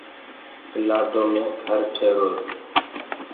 پلآٽو مي گھر ٺيهيروئي